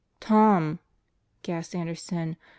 "Tom!" gasped Anderson.